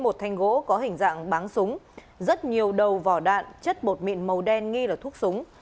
một thanh gỗ có hình dạng bán súng rất nhiều đầu vỏ đạn chất bột miệng màu đen nghi là thuốc súng